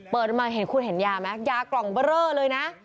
เปิดมาเห็นคุณเห็นยาไหมยากล่องเบรอเลยนะ